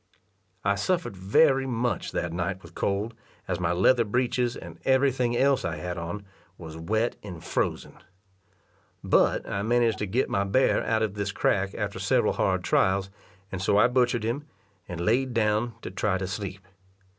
I suffered very much that night with cold, as my leather breeches, and every thing else I had on, was wet and frozen. But I managed to get my bear out of this crack after several hard trials, and so I butchered him, and laid down to try to sleep.